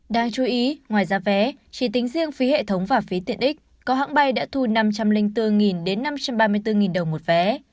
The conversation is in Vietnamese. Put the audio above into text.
đáng chú ý ngoài giá vé chỉ tính riêng phí hệ thống và phí tiện ích có hãng bay đã thu năm trăm linh bốn đến năm trăm ba mươi bốn đồng một vé